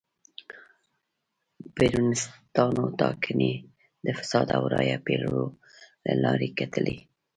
پېرونیستانو ټاکنې د فساد او رایو پېرلو له لارې ګټلې.